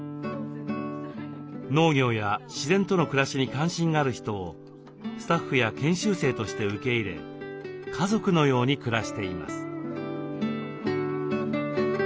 農業や自然との暮らしに関心がある人をスタッフや研修生として受け入れ家族のように暮らしています。